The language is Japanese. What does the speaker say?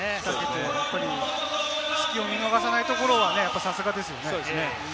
隙を見逃さないところはさすがですね。